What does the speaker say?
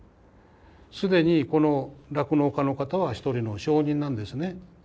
既にこの酪農家の方は一人の証人なんですね。